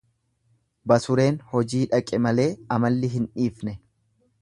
Basureen hojii dhaqe malee amalli hin dhiifne.